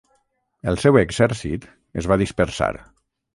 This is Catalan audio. El seu exèrcit es va dispersar.